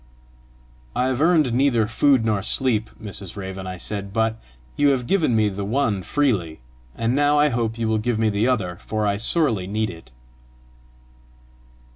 "I have earned neither food nor sleep, Mrs. Raven," I said, "but you have given me the one freely, and now I hope you will give me the other, for I sorely need it."